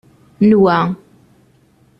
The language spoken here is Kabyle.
Nwa